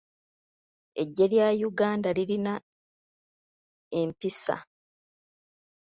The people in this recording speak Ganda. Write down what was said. Eggye lya Uganda lirina empisa.